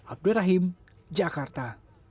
abdul rahim jakarta